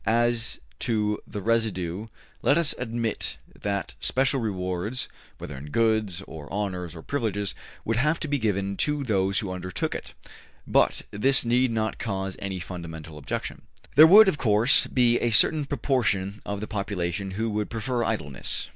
As to the residue let us admit that special rewards, whether in goods or honors or privileges, would have to be given to those who undertook it. But this need not cause any fundamental objection. There would, of course, be a certain proportion of the population who would prefer idleness.